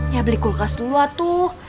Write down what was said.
ya beli kulkas dulu atau